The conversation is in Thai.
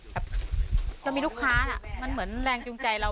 แบบเรามีลูกค้ามันเหมือนแรงจูงใจเรา